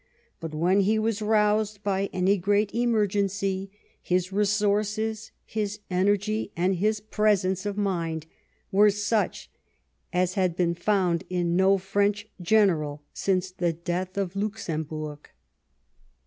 But when he was roused by any great emergency his resources, his energy, and his presence of mind were such as had been found in no French general since the death of Luxembourg.